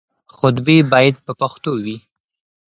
خطبې بايد په پښتو وي.